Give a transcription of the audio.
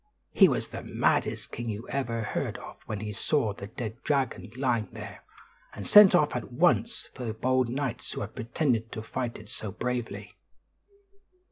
He was the maddest king you ever heard of when he saw the dead dragon lying there, and sent off at once for the bold knights who had pretended to fight it so bravely.